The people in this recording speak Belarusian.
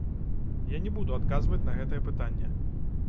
Я не буду адказваць на гэтае пытанне.